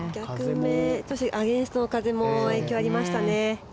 アゲンストの風も影響がありましたね。